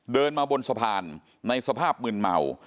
เดินมาบนสะพานในสภาพมืนเมา